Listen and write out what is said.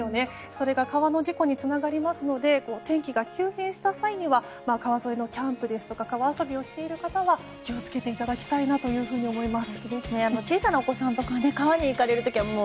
それが川の事故につながりますので天気が急変した際には川沿いのキャンプですとか川遊びをしている方は気を付けていただきたいなと思います。